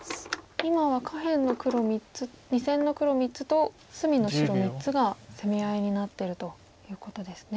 今は下辺の黒３つ２線の黒３つと隅の白３つが攻め合いになってるということですね。